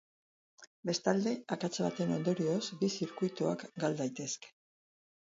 Bestalde, akats baten ondorioz bi zirkuituak gal daitezke.